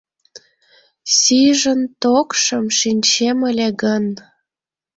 Сийжын токшым шинчем ыле гын